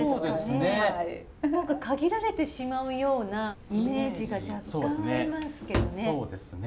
何か限られてしまうようなイメージが若干ありますけどね。